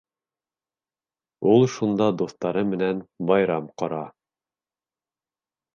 Ул шунда дуҫтары менән байрам ҡора.